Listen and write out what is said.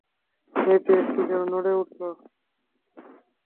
মেয়েটি একটু যেন নড়ে উঠল।